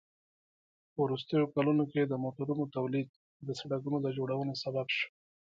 په وروستیو کلونو کې د موټرونو تولید د سړکونو د جوړونې سبب شو.